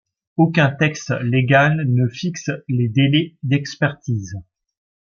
Aucun texte légal ne fixe les délais d’expertise.